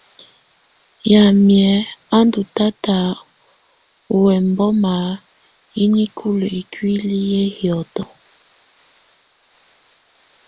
Yamɛ̀á a ndù tata ɔ ɛmbɔma yɛ nikulǝ ikuili yɛ hiɔtɔ.